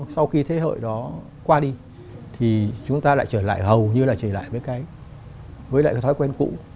sau khi thế hệ đó qua đi thì chúng ta lại trở lại hầu như là trở lại với cái với lại cái thói quen cũ